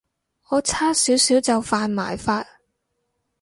我差少少就犯埋法